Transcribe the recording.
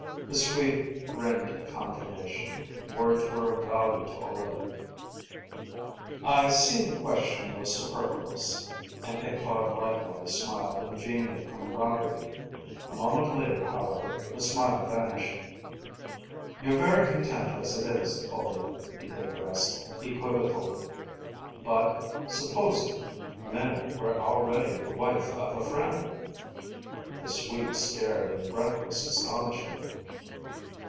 The Swede grinned confirmation. Words were of value to Ole. "I see the question was superfluous," and Ichabod likewise smiled in genial comradery. A moment later, however, the smile vanished. "You're very content as it is, Ole," he digressed, equivocally; "but supposing Minna were already the wife of a friend?" The Swede stared in breathless astonishment.